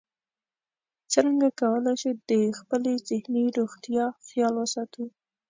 څرنګه کولی شو د خپلې ذهني روغتیا خیال وساتو